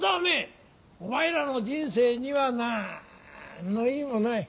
お前らの人生にはなんの意味もない。